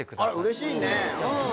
うれしいね。